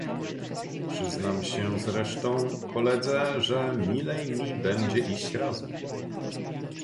"Przyznam się zresztą koledze, że milej mi będzie iść razem."